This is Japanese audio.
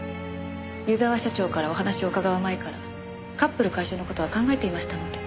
湯沢社長からお話を伺う前からカップル解消の事は考えていましたので。